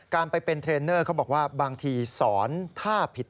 การไปเป็นเทรนเนอร์เขาบอกว่าบางทีสอนถ้าผิด